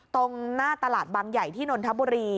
ตรงหน้าตลาดบางใหญ่ที่นนทบุรี